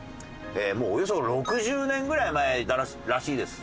もうおよそ６０年ぐらい前らしいです。